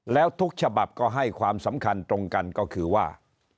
แล้วทุกฉบับก็ให้ความสำคัญตรงกันก็คือว่า